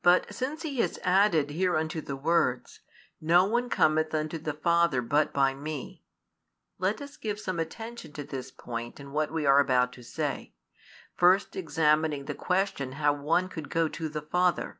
But since He has added hereunto the words: No one cometh unto the Father but by Me, let us give some attention to this point in what we are about to say; first examining the question how one could go to the Father.